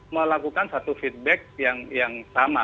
melakukan satu feedback yang sama